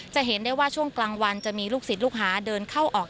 จะเห็นได้ว่าช่วงกลางวันจะมีลูกศิษย์ลูกหาเดินเข้าออก